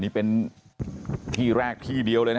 แล้วผมเป็นเพื่อนกับพระนกแต่ผมก็ไม่เคยช่วยเหลือเสียแป้ง